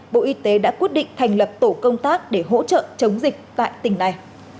bộ y tế đã quyết định thành lập tổ công tác để hỗ trợ chống dịch tại tỉnh này